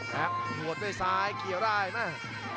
รวดด้วยซ้ายเกี่ยวได้มาก